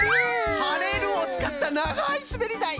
「はれる」をつかったながいすべりだい！